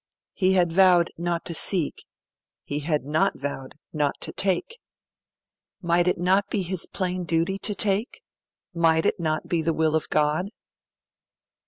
He had vowed not to seek; he had not vowed not to take. Might it not be his plain duty to take? Might it not be the will of God?